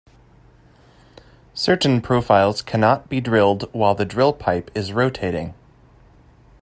Certain profiles cannot be drilled while the drill pipe is rotating.